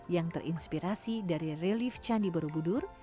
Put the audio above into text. yang terinspirasi dari relief candi borobudur